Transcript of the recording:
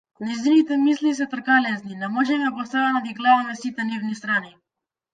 Нејзините мисли се тркалезни, не можеме постојано да ги гледаме сите нивни страни.